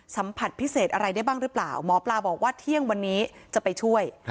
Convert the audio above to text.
สัมผัสพิเศษอะไรได้บ้างหรือเปล่าหมอปลาบอกว่าเที่ยงวันนี้จะไปช่วย